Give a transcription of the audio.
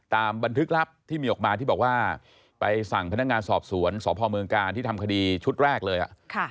ตามบันทึกลับที่มีออกมาที่บอกว่าไปสั่งพนักงานสอบสวนสพเมืองกาลที่ทำคดีชุดแรกเลย